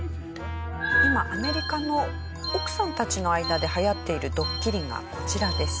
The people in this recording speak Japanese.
今アメリカの奥さんたちの間で流行っているドッキリがこちらです。